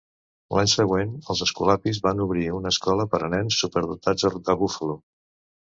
L'any següent, els Escolapis van obrir una escola per a nens superdotats a Buffalo.